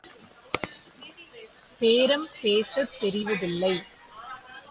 பேரம் பேசத் தெரிவதில்லை.